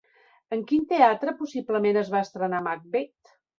En quin teatre possiblement es va estrenar Macbeth?